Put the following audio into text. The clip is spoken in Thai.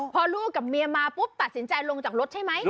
พอลูกกับเมียมาปุ๊บตัดสินใจลงจากรถใช่ไหม